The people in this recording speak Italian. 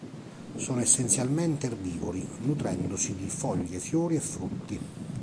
Sono essenzialmente erbivori, nutrendosi di foglie, fiori e frutti.